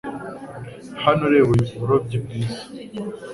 Hano reba uburobyi bwiza